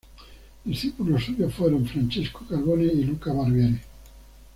Discípulos suyos fueron Francesco Carbone y Luca Barbieri.